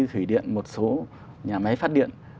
thủy điện một số nhà máy phát điện